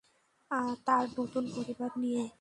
তার নতুন পরিবার নিয়ে।